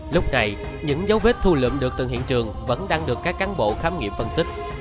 lúc này những dấu vết thu lượm được từng hiện trường vẫn đang được các cán bộ khám nghiệm phân tích